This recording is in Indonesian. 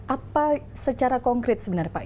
apa secara konkret sebenarnya pak